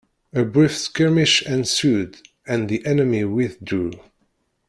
A brief skirmish ensued and the enemy withdrew.